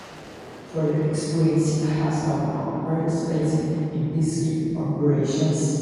Further experience has come from participating in peace-keeping operations.